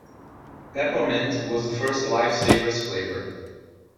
Pep-O-Mint was the first Life Savers flavor.